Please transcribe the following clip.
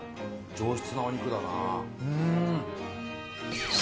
上質なお肉だな。